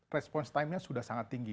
respons time nya sudah sangat tinggi